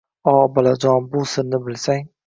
— O, bolajon, bu sirni bilsang